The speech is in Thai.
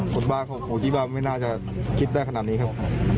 กฎบาของโหจีบาไม่น่าจะคิดได้ขนาดนี้ครับ